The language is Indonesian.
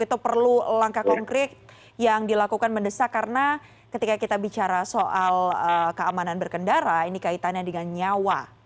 itu perlu langkah konkret yang dilakukan mendesak karena ketika kita bicara soal keamanan berkendara ini kaitannya dengan nyawa